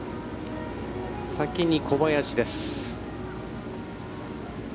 先に小林です。